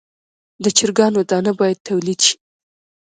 د چرګانو دانه باید تولید شي.